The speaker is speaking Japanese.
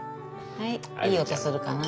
はいいい音するかな。